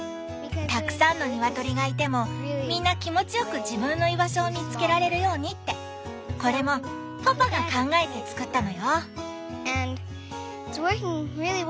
たくさんのニワトリがいてもみんな気持ちよく自分の居場所を見つけられるようにってこれもパパが考えて作ったのよ！